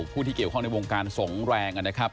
ผู้ที่เกี่ยวข้องในวงการสงฆ์แรงนะครับ